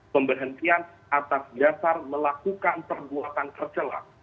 pemberhentian atas dasar melakukan perbuatan tercelak